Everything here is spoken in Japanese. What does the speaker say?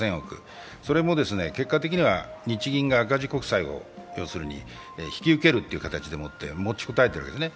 それも結果的には日銀が赤字国債を引き受けるという形で持ちこたえているわけですね。